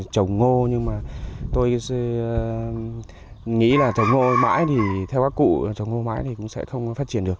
trồng ngô nhưng mà tôi nghĩ là trồng ngô mãi thì theo các cụ trồng ngô bãi thì cũng sẽ không phát triển được